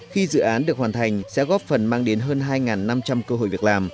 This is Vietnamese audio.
khi dự án được hoàn thành sẽ góp phần mang đến hơn hai năm trăm linh cơ hội việc làm